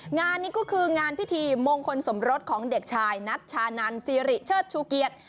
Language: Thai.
งานนี้ก็คืองานพิธีมงคลสมรสของเด็กชายนัชชานันซีริเชิดชูเกียรติ